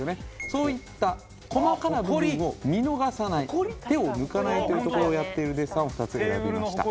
そういった細かな部分を見逃さない手を抜かないというところをやっているデッサンを２つ選びました